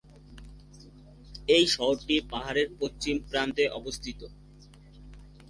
এই শহরটি পাহাড়ের পশ্চিম প্রান্তে অবস্থিত।